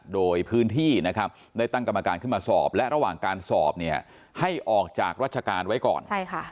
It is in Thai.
โดยพื้นที่นะครับได้ตั้งกรรมการขึ้นมาสอบและระหว่างการสอบเนี่ยให้ออกจากราชการไว้ก่อน